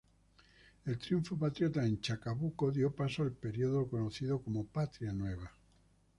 El triunfo patriota en Chacabuco dio paso al periodo conocido como "Patria Nueva".